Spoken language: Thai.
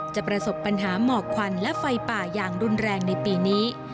ประสบปัญหาหมอกควันและไฟป่าอย่างรุนแรงในปีนี้